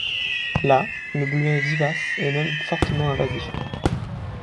Là, le bleuet vivace est même fortement invasif.